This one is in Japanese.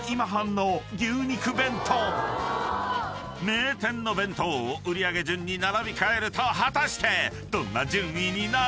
［名店の弁当を売り上げ順に並び替えると果たしてどんな順位になるのか？］